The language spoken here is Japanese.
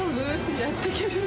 やっていけるの？